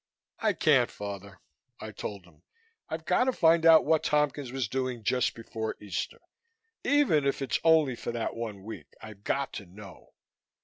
"I can't, Father," I told him. "I've got to find out what Tompkins was doing just before Easter. Even if it's only for that one week, I've got to know."